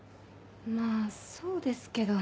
まぁそうですけど。